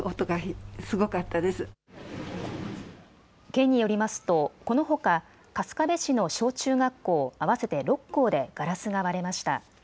県によりますとこのほか春日部市の小中学校合わせて６校でガラスが割れました。